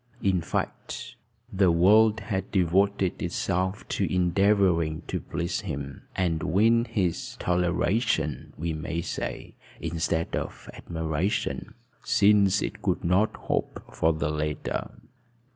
In fact, the world had devoted itself to endeavoring to please him, and win his toleration, we may say, instead of admiration, since it could not hope for the latter.